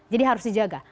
jadi harus dijaga